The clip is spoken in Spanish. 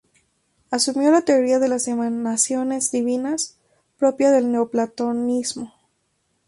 Asumió la teoría de las emanaciones divinas, propia del neoplatonismo.